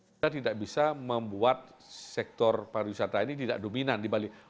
kita tidak bisa membuat sektor pariwisata ini tidak dominan di bali